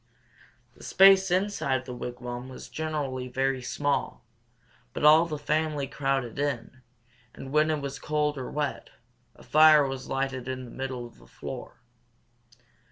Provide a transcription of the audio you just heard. The space inside the wigwam was generally very small; but all the family crowded in, and when it was cold or wet, a fire was lighted in the middle of the floor.